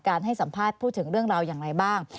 ให้สัมภาษณ์พูดถึงเรื่องราวอย่างไรบ้าง